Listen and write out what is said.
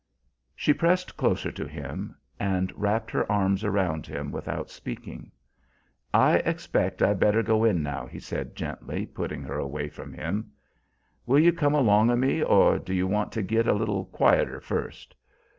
She pressed closer to him, and wrapped her arms around him without speaking. "I expect I better go in now," he said gently, putting her away from him. "Will you come along o' me, or do you want to git a little quieter first?"